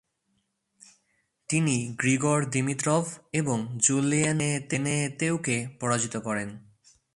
তিনি Grigor Dimitrov এবং Julien বেনেতেউকে পরাজিত করেন।